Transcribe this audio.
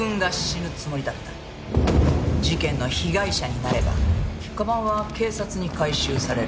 事件の被害者になれば鞄は警察に回収される。